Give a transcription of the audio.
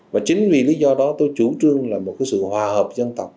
và chính vì lý do đó tôi chủ trương là một cái sự hòa hợp dân tộc